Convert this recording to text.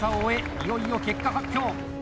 いよいよ結果発表！